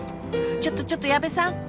ちょっとちょっと矢部さん！